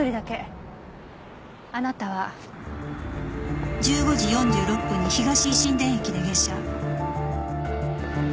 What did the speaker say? あなたは１５時４６分に東一身田駅で下車。